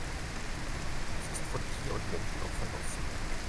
Es ist von Tier- und Menschenopfern auszugehen.